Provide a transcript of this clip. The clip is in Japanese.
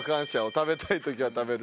「食べたい時は食べる！」